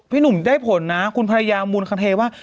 หนุ่มได้ผลนะคุณภรรยามูลคาเทว่า